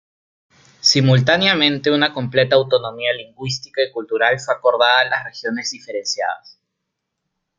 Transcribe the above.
Simultáneamente, una completa autonomía lingüística y cultural fue acordada a las regiones diferenciadas.